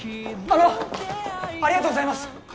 ありがとうございます！